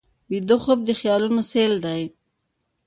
ویده خوب د خیالونو سیل دی